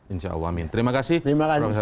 insya allah amin terima kasih